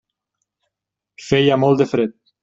Feia molt de fred.